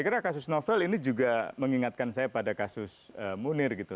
saya kira kasus novel ini juga mengingatkan saya pada kasus munir gitu